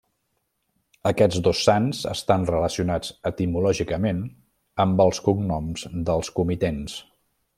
Aquests dos sants estan relacionats etimològicament amb els cognoms dels comitents.